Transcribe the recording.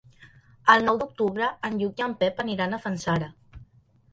El nou d'octubre en Lluc i en Pep aniran a Fanzara.